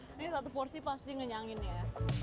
ini satu porsi pasti ngenyangin ya